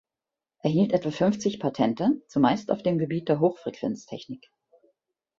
Er hielt etwa fünfzig Patente zumeist auf dem Gebiet der Hochfrequenztechnik.